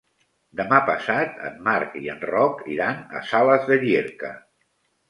Demà passat en Marc i en Roc iran a Sales de Llierca.